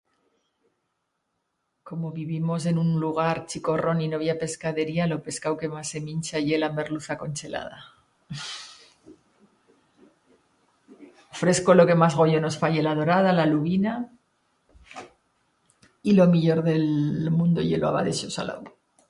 Como vivimos en un lugar chicorrón y no bi ha pescadería, lo pescau que mas se mincha ye la merluza conchelada. Fresco, lo que mas goyo nos fa ye la dorada, la lubina, y lo millor d'el mundo ye lo abadeixo salau.